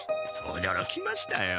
おどろきましたよ。